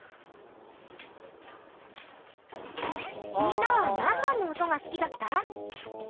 みんなは何番の音が好きだった？